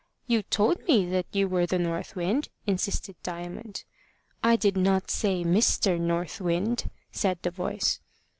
"You told me that you were the North Wind," insisted Diamond. "I did not say Mister North Wind," said the voice.